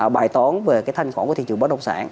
bài tón về thanh khoản của thị trường bất đồng sản